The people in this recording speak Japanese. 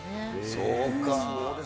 そうか。